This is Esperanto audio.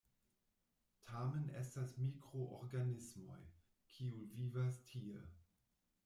Tamen estas mikroorganismoj, kiu vivas tie.